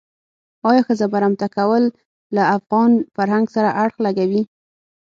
آیا ښځه برمته کول له افغان فرهنګ سره اړخ لګوي.